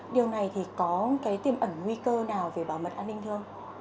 điều này có tiêm ẩn nguy cơ nào về bảo mật an ninh thương